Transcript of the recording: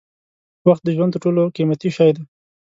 وخت د ژوند تر ټولو قیمتي شی دی.